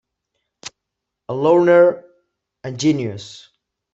A loner, a genius.